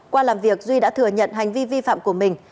qua làm việc duy đã thừa nhận hành vi vi phạm của mình